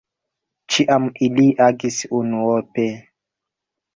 Ĉiam ili agis unuope.